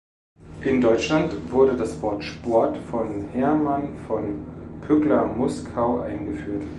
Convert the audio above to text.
In Deutschland wurde das Wort „Sport“ von Hermann von Pückler-Muskau eingeführt.